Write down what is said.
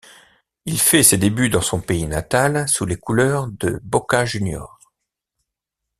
Il fait ses débuts dans son pays natal sous les couleurs de Boca Juniors.